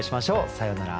さようなら。